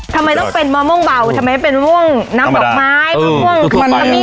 ทำไมต้องเป็นมะม่วงเบาทำไมเป็นม่วงน้ำดอกไม้มะม่วง